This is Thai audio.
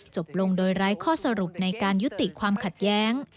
จบลงโดยไร้ข้อสรุปในการยุติความขัดแย้ง